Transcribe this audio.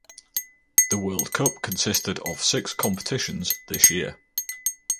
The World Cup consisted of six competitions this year.